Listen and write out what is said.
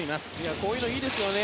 こういうのいいですよね。